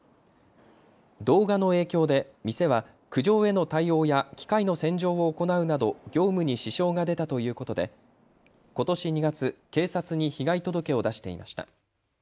動画の影響で店は苦情への対応や機械の洗浄を行うなど業務に支障が出たということでことし２月、警察に被害届を出していました。